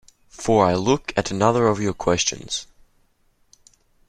For I look at another of your questions.